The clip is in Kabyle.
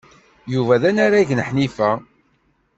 Yuba d anarag n Ḥnifa.